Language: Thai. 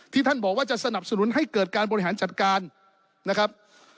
ท่านบอกว่าจะสนับสนุนให้เกิดการบริหารจัดการนะครับ